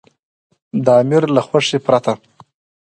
د امیر له خوښې پرته.